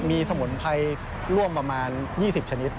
มีสมุนไพรร่วมประมาณ๒๐ชนิด